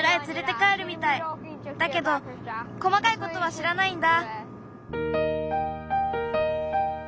だけどこまかいことはしらないんだ。